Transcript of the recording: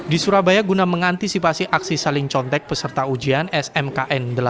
di surabaya guna mengantisipasi aksi saling contek peserta ujian smkn delapan